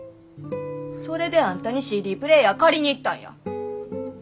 それであんたにＣＤプレーヤー借りに行ったんや。